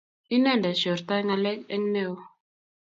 inendet shortoi ngálek eng neo